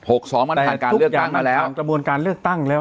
แต่ทุกอย่างมันผ่านการเลือกตั้งแล้ว